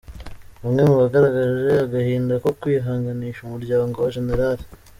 Bamwe mu bagaragaje agahinda ko kwihanganisha umuryango wa Gen.